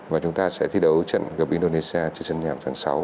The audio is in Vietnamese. và chúng ta sẽ thi đấu trận gặp indonesia trên sân nhà tháng sáu